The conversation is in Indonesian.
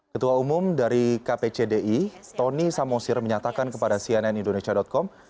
ketua umum dari kpcdi tony samosir menyatakan kepada cnn indonesia com